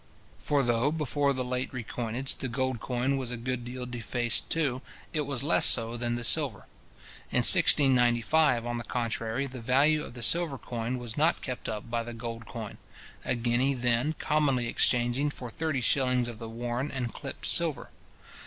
For though, before the late recoinage, the gold coin was a good deal defaced too, it was less so than the silver. In 1695, on the contrary, the value of the silver coin was not kept up by the gold coin; a guinea then commonly exchanging for thirty shillings of the worn and clipt silver.